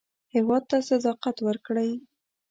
هېواد ته صداقت ورکړئ